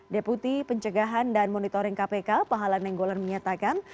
deputi pencegahan dan monitoring kpk pahala nenggolan menyatakan